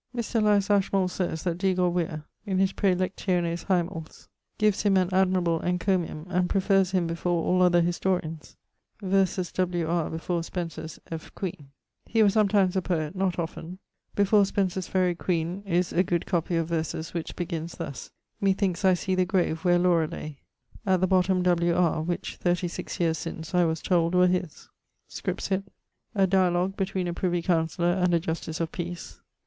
Mr. Elias Ashmole saies that Degore Whear in his Praelectiones Hyemales gives him an admirable encomium, and preferres him before all other historians. Verses W. R. before Spencer's F. Queen. He was somtimes a poet, not often. Before Spencer's Faery Q. is a good copie of verses, which begins thus: Methinkes I see the grave wher Laura lay; at the bottome W. R.: which, 36 yeares since, I was told were his. Scripsit. A dialogue between a Privy Councellor and a Justice of Peace.